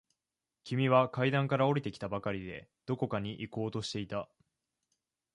君は階段から下りてきたばかりで、どこかに行こうとしていた。